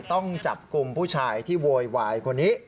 ต้องจับกลุ่มผู้ชายที่โวยวายคนนี้